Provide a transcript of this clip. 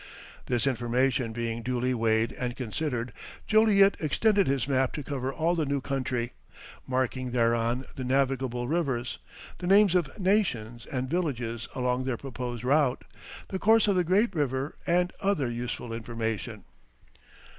This information being duly weighed and considered, Joliet extended his map to cover all the new country, marking thereon the navigable rivers, the names of nations and villages along their proposed route, the course of the great river, and other useful information.